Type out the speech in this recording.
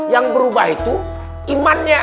yang berubah itu imannya